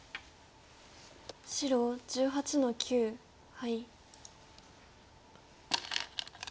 白１８の九ハイ。